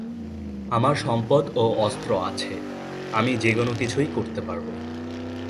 আমার সম্পদ ও অস্ত্র আছে, আমি যেকোনো কিছুই করতে পারবো।